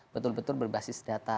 betul betul berbasis data